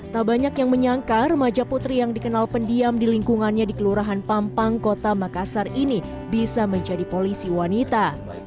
tak banyak yang menyangka remaja putri yang dikenal pendiam di lingkungannya di kelurahan pampang kota makassar ini bisa menjadi polisi wanita